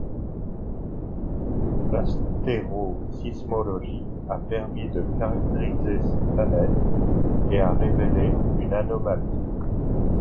L'astérosismologie a permis de caractériser ses planètes et a révélé une anomalie.